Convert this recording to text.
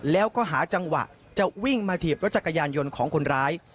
แล้วก็หาจังหวะจะวิ่งมาถีบรถจักรยานยนต์ของคนร้าย